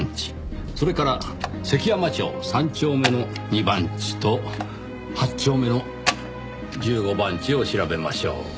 それから関山町３丁目の２番地と８丁目の１５番地を調べましょう。